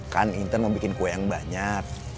kan inten mau bikin kue yang banyak